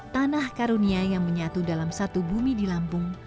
tanah karunia yang menyatu dalam satu bumi di lampung